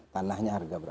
tanahnya harga berapa